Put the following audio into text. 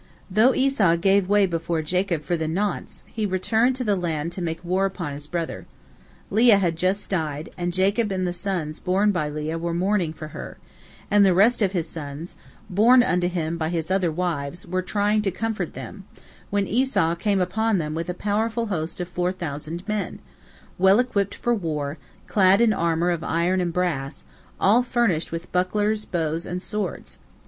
Though Esau gave way before Jacob for the nonce, he returned to the land to make war upon his brother. Leah had just died, and Jacob and the sons borne by Leah were mourning for her, and the rest of his sons, borne unto him by his other wives, were trying to comfort them, when Esau came upon them with a powerful host of four thousand men, well equipped for war, clad in armor of iron and brass, all furnished with bucklers, bows, and swords.